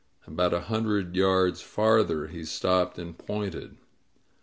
About a hundred yards farther he stopped and pointed.